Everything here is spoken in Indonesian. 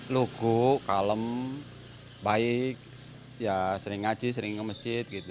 lugu kalem baik ya sering ngaji sering ke masjid gitu